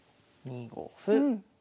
２五歩。